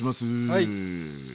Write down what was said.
はい。